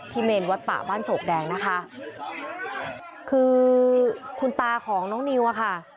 ที่เมนวัดปะบ้านโสกแดงนะคะคือคุณปาก็ของน้องนิวอะคะ